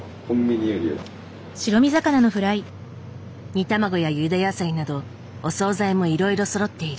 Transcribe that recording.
煮卵やゆで野菜などお総菜もいろいろそろっている。